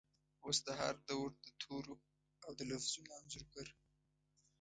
اوس د هردور دتورو ،اودلفظونو انځورګر،